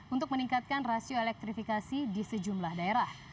untuk meningkatkan rasio elektrifikasi di sejumlah daerah